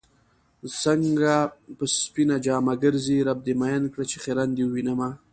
څنګه په سپينه جامه ګرځې رب دې مئين کړه چې خيرن دې ووينمه